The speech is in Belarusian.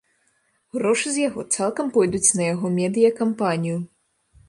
Грошы з яго цалкам пойдуць на яго медыя-кампанію.